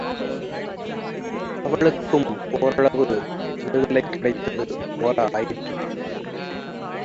அவளுக்கும் ஒரளவு விடுதலை கிடைத்தது போல ஆயிற்று.